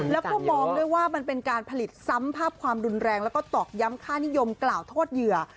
แล้วก็มองด้วยว่ามันเป็นการผลิตซ้ำภาพความรุนแรงแล้วก็ตอกย้ำค่านิยมกล่าวโทษเหยื่อ